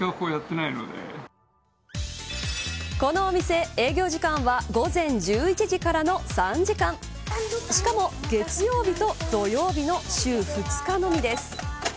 このお店営業時間は午前１１時からの３時間しかも月曜日と土曜日の週２日のみです。